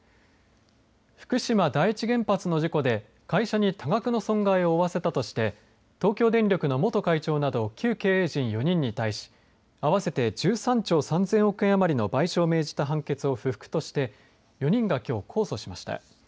福島第一原発の事故で会社に多額の損害を負わせたとして東京電力の元会長など旧経営陣４人に対し合わせて１３兆３０００億円余りの賠償を命じた判決を不服として４人が、きょう控訴しました。